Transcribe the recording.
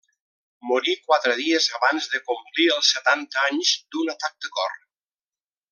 Morí quatre dies abans de complir els setanta anys d'un atac de cor.